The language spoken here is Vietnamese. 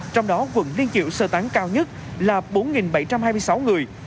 trong đó quận liên kiểu sơ tán cao nhất là bốn bảy trăm hai mươi sáu người